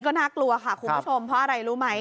ก็น่ากลัวค่ะคุณผู้ชมเพราะอะไรรู้ไหม